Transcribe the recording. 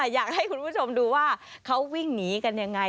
อยากให้คุณผู้ชมดูว่าเขาวิ่งหนีกันยังไง